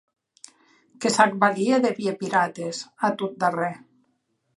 Que s'ac valie de vier pirates, a tot darrèr.